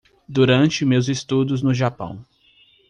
Durante meus estudos no Japão